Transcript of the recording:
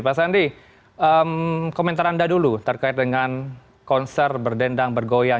pak sandi komentar anda dulu terkait dengan konser berdendang bergoyang